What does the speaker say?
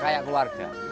iya kayak keluarga sendiri